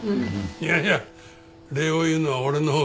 いやいや礼を言うのは俺のほうだ。